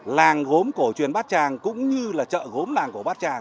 làng gốm cổ truyền bát tràng cũng như là chợ gốm làng cổ bát tràng